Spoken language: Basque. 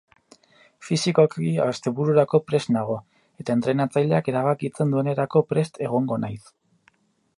Fisikoki astebururako prest nago, eta entrenatzaileak erabakitzen duenerako prest egongo naiz.